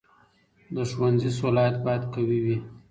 د ښوونځي صلاحیت باید قوي وي.